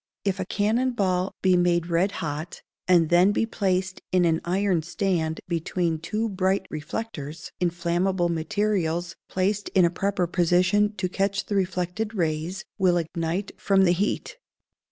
If a cannon ball be made red hot, and then be placed in an iron stand between two bright reflectors, inflammable materials, placed in a proper position to catch the reflected rays, will ignite from the heat.